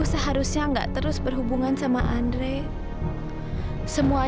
saya nggak pernah sama kamu saya sumpah